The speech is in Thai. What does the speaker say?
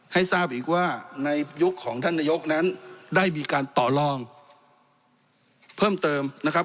ให้ทราบอีกว่าในยุคของท่านนายกนั้นได้มีการต่อลองเพิ่มเติมนะครับ